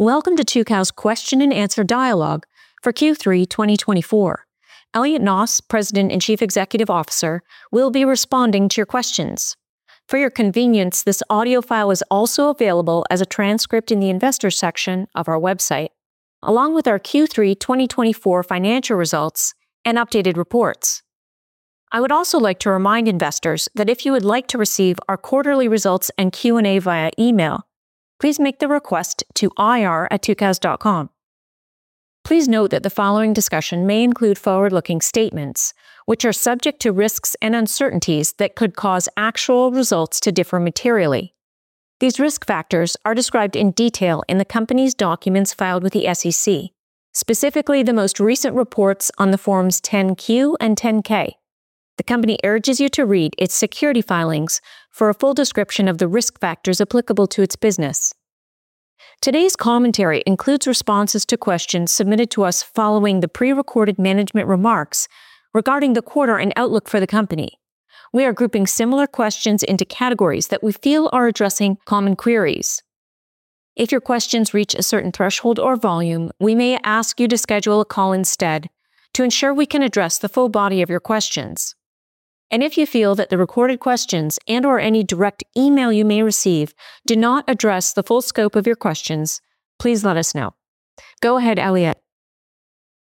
Welcome to Tucows Question and Answer Dialogue for Q3 2024. Elliot Noss, President and Chief Executive Officer, will be responding to your questions. For your convenience, this audio file is also available as a transcript in the investor section of our website, along with our Q3 2024 financial results and updated reports. I would also like to remind investors that if you would like to receive our quarterly results and Q&A via email, please make the request to ir@tucows.com. Please note that the following discussion may include forward-looking statements, which are subject to risks and uncertainties that could cause actual results to differ materially. These risk factors are described in detail in the company's documents filed with the SEC, specifically the most recent reports on the Forms 10-Q and 10-K. The company urges you to read its SEC filings for a full description of the risk factors applicable to its business. Today's commentary includes responses to questions submitted to us following the prerecorded management remarks regarding the quarter and outlook for the company. We are grouping similar questions into categories that we feel are addressing common queries. If your questions reach a certain threshold or volume, we may ask you to schedule a call instead to ensure we can address the full body of your questions. And if you feel that the recorded questions and/or any direct email you may receive do not address the full scope of your questions, please let us know. Go ahead, Elliot.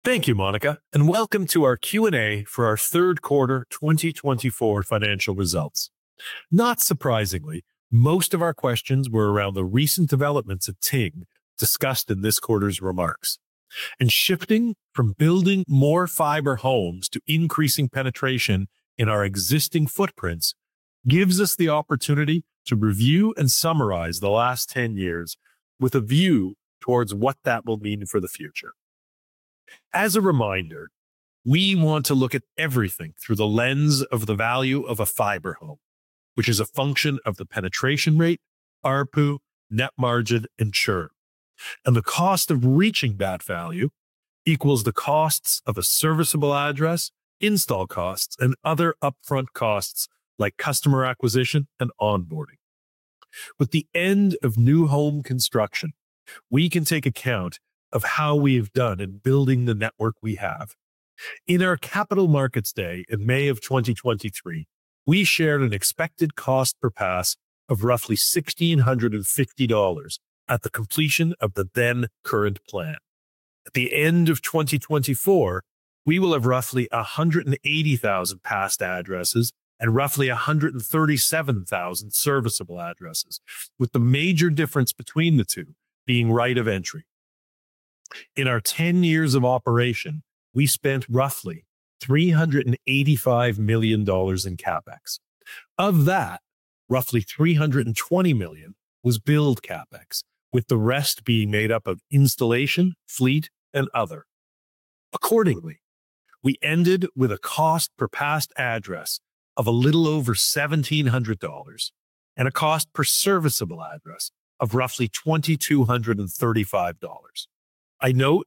Thank you, Monica, and welcome to our Q&A for our Q3 2024 financial results. Not surprisingly, most of our questions were around the recent developments at Ting discussed in this quarter's remarks, and shifting from building more fiber homes to increasing penetration in our existing footprints gives us the opportunity to review and summarize the last 10 years with a view towards what that will mean for the future. As a reminder, we want to look at everything through the lens of the value of a fiber home, which is a function of the penetration rate, ARPU, net margin, and churn, and the cost of reaching that value equals the costs of a serviceable address, install costs, and other upfront costs like customer acquisition and onboarding. With the end of new home construction, we can take account of how we have done in building the network we have. In our Capital Markets Day in May of 2023, we shared an expected cost per pass of roughly $1,650 at the completion of the then current plan. At the end of 2024, we will have roughly 180,000 passed addresses and roughly 137,000 serviceable addresses, with the major difference between the two being right of entry. In our 10 years of operation, we spent roughly $385 million in CapEx. Of that, roughly $320 million was build CapEx, with the rest being made up of installation, fleet, and other. Accordingly, we ended with a cost per passed address of a little over $1,700 and a cost per serviceable address of roughly $2,235. I note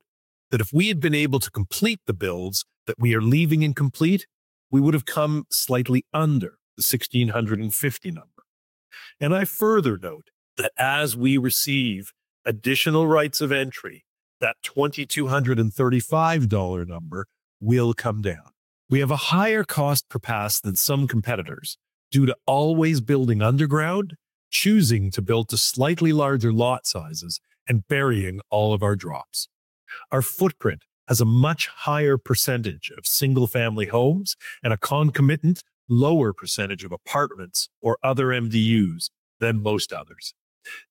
that if we had been able to complete the builds that we are leaving incomplete, we would have come slightly under the $1,650 number. I further note that as we receive additional rights of entry, that $2,235 number will come down. We have a higher cost per pass than some competitors due to always building underground, choosing to build to slightly larger lot sizes, and burying all of our drops. Our footprint has a much higher percentage of single-family homes and a concomitant lower percentage of apartments or other MDUs than most others.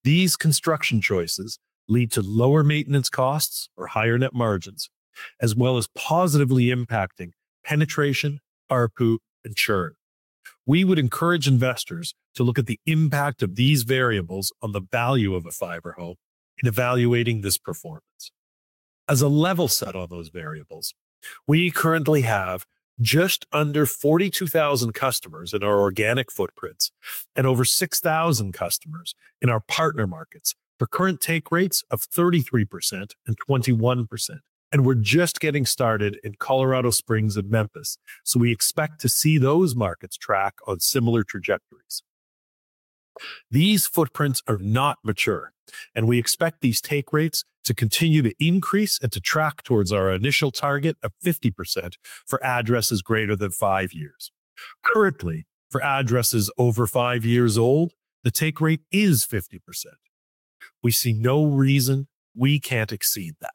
These construction choices lead to lower maintenance costs or higher net margins, as well as positively impacting penetration, ARPU, and churn. We would encourage investors to look at the impact of these variables on the value of a fiber home in evaluating this performance. As a level set on those variables, we currently have just under 42,000 customers in our organic footprints and over 6,000 customers in our partner markets for current take rates of 33% and 21%. We're just getting started in Colorado Springs and Memphis, so we expect to see those markets track on similar trajectories. These footprints are not mature, and we expect these take rates to continue to increase and to track towards our initial target of 50% for addresses greater than five years. Currently, for addresses over five years old, the take rate is 50%. We see no reason we can't exceed that.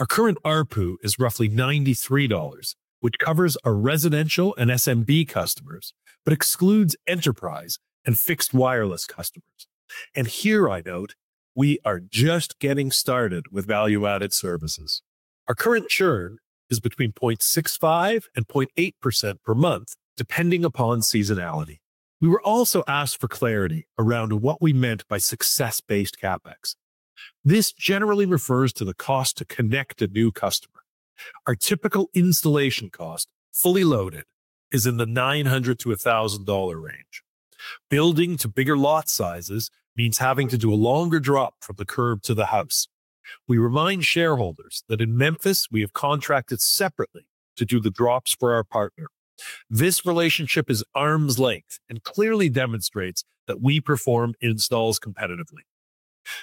Our current ARPU is roughly $93, which covers our residential and SMB customers but excludes enterprise and fixed wireless customers. And here I note we are just getting started with value-added services. Our current churn is between 0.65% and 0.8% per month, depending upon seasonality. We were also asked for clarity around what we meant by success-based CapEx. This generally refers to the cost to connect a new customer. Our typical installation cost, fully loaded, is in the $900-$1,000 range. Building to bigger lot sizes means having to do a longer drop from the curb to the house. We remind shareholders that in Memphis, we have contracted separately to do the drops for our partner. This relationship is arm's length and clearly demonstrates that we perform installs competitively.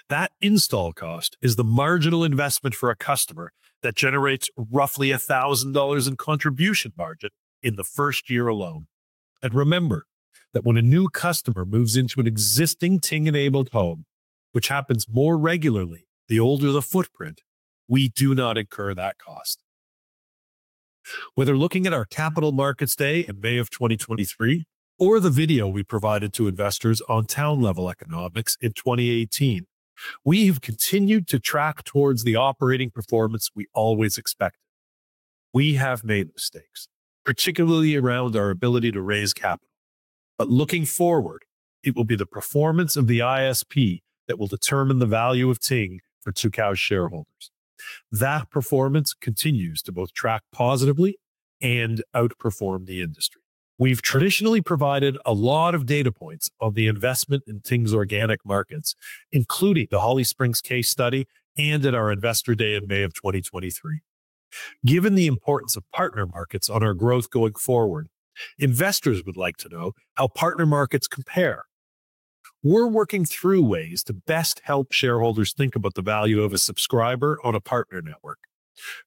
That install cost is the marginal investment for a customer that generates roughly $1,000 in contribution margin in the first year alone. And remember that when a new customer moves into an existing Ting-enabled home, which happens more regularly the older the footprint, we do not incur that cost. Whether looking at our capital markets day in May of 2023 or the video we provided to investors on town-level economics in 2018, we have continued to track toward the operating performance we always expected. We have made mistakes, particularly around our ability to raise capital. But looking forward, it will be the performance of the ISP that will determine the value of Ting for Tucows shareholders. That performance continues to both track positively and outperform the industry. We've traditionally provided a lot of data points on the investment in Ting's organic markets, including the Holly Springs case study and at our Investor Day in May of 2023. Given the importance of partner markets on our growth going forward, investors would like to know how partner markets compare. We're working through ways to best help shareholders think about the value of a subscriber on a partner network.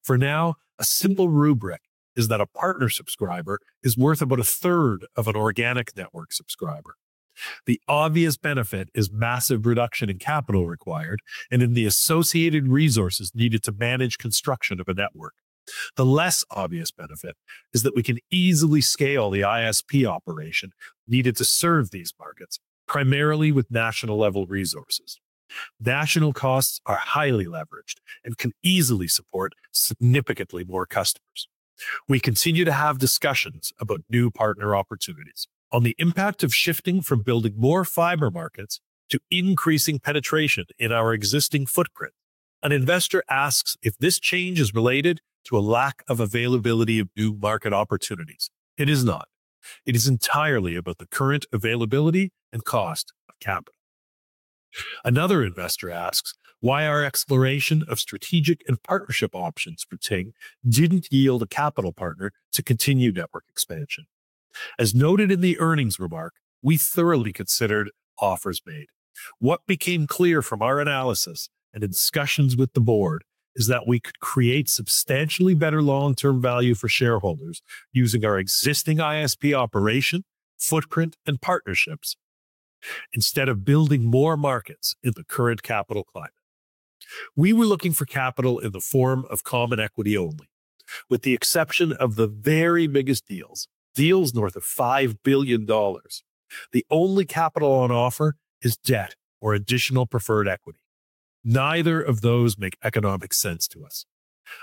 For now, a simple rubric is that a partner subscriber is worth about 1/3 of an organic network subscriber. The obvious benefit is massive reduction in capital required and in the associated resources needed to manage construction of a network. The less obvious benefit is that we can easily scale the ISP operation needed to serve these markets, primarily with national-level resources. National costs are highly leveraged and can easily support significantly more customers. We continue to have discussions about new partner opportunities. On the impact of shifting from building more fiber markets to increasing penetration in our existing footprint, an investor asks if this change is related to a lack of availability of new market opportunities. It is not. It is entirely about the current availability and cost of capital. Another investor asks why our exploration of strategic and partnership options for Ting didn't yield a capital partner to continue network expansion. As noted in the earnings remark, we thoroughly considered offers made. What became clear from our analysis and discussions with the board is that we could create substantially better long-term value for shareholders using our existing ISP operation, footprint, and partnerships instead of building more markets in the current capital climate. We were looking for capital in the form of common equity only. With the exception of the very biggest deals, deals north of $5 billion, the only capital on offer is debt or additional preferred equity. Neither of those makes economic sense to us.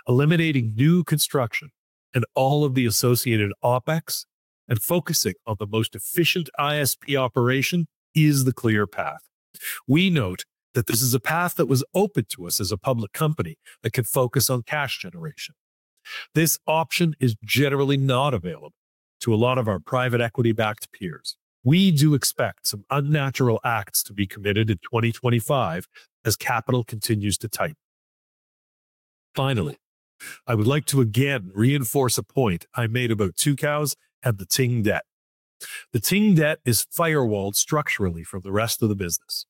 Eliminating new construction and all of the associated OpEx and focusing on the most efficient ISP operation is the clear path. We note that this is a path that was open to us as a public company that could focus on cash generation. This option is generally not available to a lot of our private equity-backed peers. We do expect some unnatural acts to be committed in 2025 as capital continues to tighten. Finally, I would like to again reinforce a point I made about Tucows and the Ting debt. The Ting debt is firewalled structurally from the rest of the business.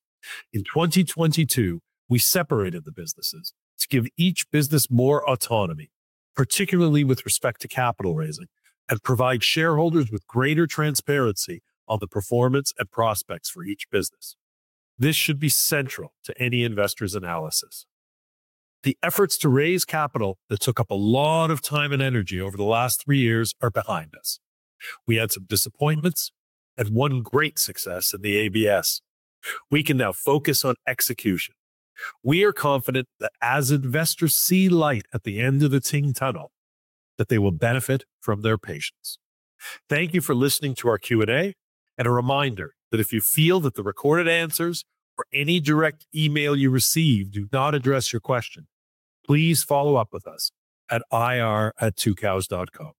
In 2022, we separated the businesses to give each business more autonomy, particularly with respect to capital raising, and provide shareholders with greater transparency on the performance and prospects for each business. This should be central to any investor's analysis. The efforts to raise capital that took up a lot of time and energy over the last three years are behind us. We had some disappointments and one great success in the ABS. We can now focus on execution. We are confident that as investors see light at the end of the Ting tunnel, that they will benefit from their patience. Thank you for listening to our Q&A and a reminder that if you feel that the recorded answers or any direct email you receive do not address your question, please follow up with us at ir@tucows.com.